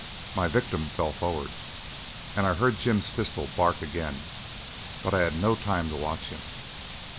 My victim fell forward, and I heard Jim's pistol bark again; but I had no time to watch him.